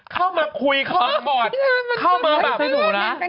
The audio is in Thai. เข้ามาคุยเข้ามากอด